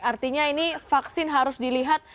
artinya ini vaksin harus dilihat